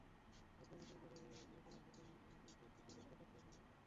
এরপরই নতুন করে লোক আনার প্রক্রিয়া নিয়ন্ত্রণে নিতে দুটি পক্ষ তৎপর হয়ে ওঠে।